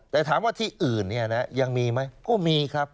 แต่ถามว่าที่อื่นเนี่ยนะยังมีไหมก็มีครับ